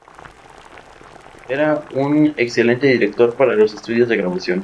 Era un excelente director para los estudios de grabación.